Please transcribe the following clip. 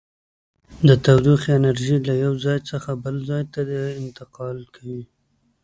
د تودوخې انرژي له یو ځای څخه بل ځای ته انتقال کوي.